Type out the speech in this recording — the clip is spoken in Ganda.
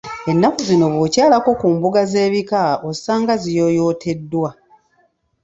Ennaku zino bw’okyalako ku mbuga z’ebika osanga ziyooyooteddwa.